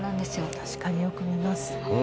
確かによく見ます。